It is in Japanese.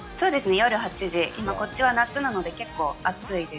夜８時今こっちは夏なので結構暑いです。